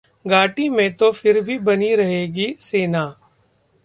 घाटी में तो फिर भी बनी रहेगी सेना